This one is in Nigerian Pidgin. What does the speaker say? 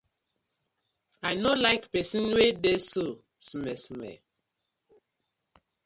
I no like pesin we dey so smer smer.